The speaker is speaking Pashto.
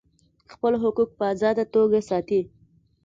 خپل حقوق په آزاده توګه ساتي.